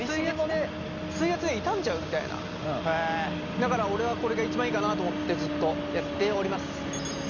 だから俺はこれが一番いいかなと思ってずっとやっております。